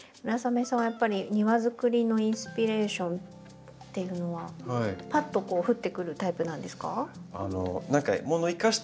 村雨さんはやっぱり庭づくりのインスピレーションっていうのはパッと降ってくるタイプなんですか？